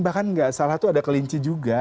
bahkan tidak salah itu ada kelinci juga